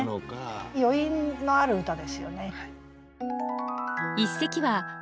余韻のある歌ですよね。